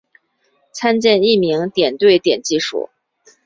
参见匿名点对点技术。